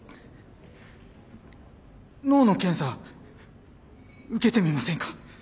脳の検査受けてみませんか？